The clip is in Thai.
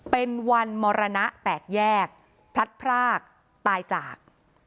เป็นวันมรณะแตกแยกพลัดพรากตายจาก